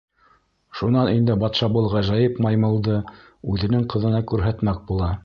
Шунан инде батша был ғәжәйеп маймылды үҙенең ҡыҙына күрһәтмәк була.